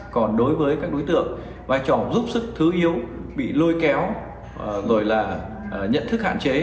còn đối với các đối tượng vai trò giúp sức thứ yếu bị lôi kéo rồi là nhận thức hạn chế